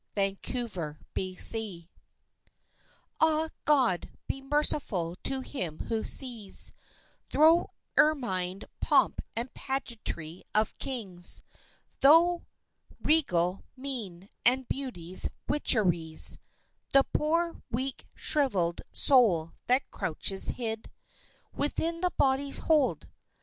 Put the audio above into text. Sartor Resartus Ah, God be merciful to him who sees Thro' ermined pomp and pageantry of kings, Thro' regal mien and beauty's witcheries The poor, weak, shrivelled soul that crouches hid Within the body's hold!